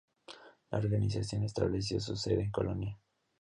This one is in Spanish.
La organización estableció su sede en Colonia.